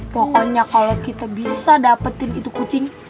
pokoknya kalau kita bisa dapetin itu kucing